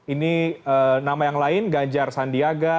ini nama yang lain ganjar sandiaga